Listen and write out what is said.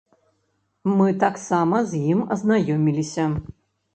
Мы таксама з ім азнаёміліся.